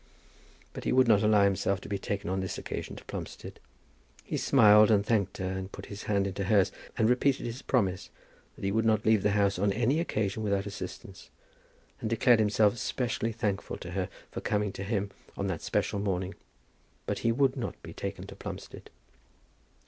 But he would not allow himself to be taken on this occasion to Plumstead. He smiled and thanked her, and put his hand into hers, and repeated his promise that he would not leave the house on any occasion without assistance, and declared himself specially thankful to her for coming to him on that special morning; but he would not be taken to Plumstead.